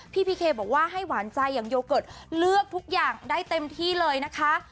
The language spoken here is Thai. พี่พีเคบอกว่าให้หวานใจอย่างโยเกิร์ตเลือกทุกอย่างได้เต็มที่เลยนะคะ